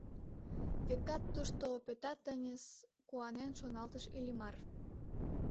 Векат, тушто Пӧта-Тынис, куанен шоналтыш Иллимар.